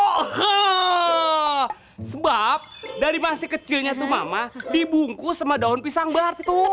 hahaha sebab dari masih kecilnya tuh mama dibungkus sama daun pisang batu